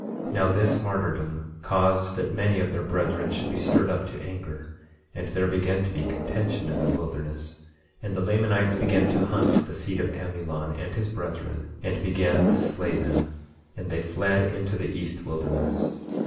25:8 Now this martyrdom caused that many of their brethren should be stirred up to anger; and there began to be contention in the wilderness; and the Lamanites began to hunt the seed of Amulon and his brethren and began to slay them; and they fled into the east wilderness.